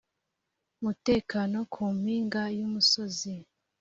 mutekano ku mpinga y umusozi